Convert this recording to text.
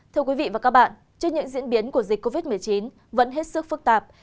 thưa quý vị và các bạn trước những diễn biến của dịch covid một mươi chín vẫn hết sức phức tạp